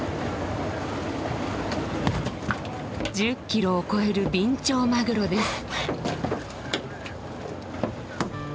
１０キロを超えるビンチョウマグロです。